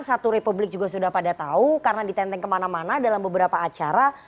satu republik juga sudah pada tahu karena ditenteng kemana mana dalam beberapa acara